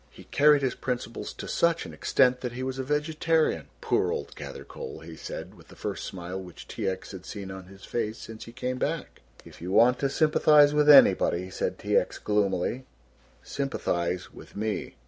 He carried his principles to such an extent that he was a vegetarian poor old Gathercole!" he said, with the first smile which T. X. had seen on his face since he came back. "If you want to sympathize with anybody," said T. X. gloomily, "sympathize with me."